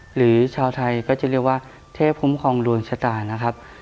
หรือก็จะเรียกว่าเทพภูมิคลองดวงชะตา